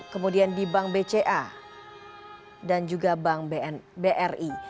kemudian di bank bca dan juga bank bri